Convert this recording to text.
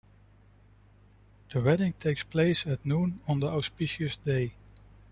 The wedding takes place at noon on the auspicious day.